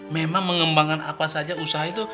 memang mengembangkan apa saja usaha itu